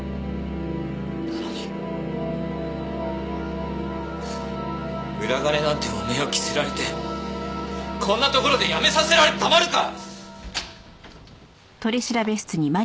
なのに裏金なんて汚名を着せられてこんなところでやめさせられてたまるか！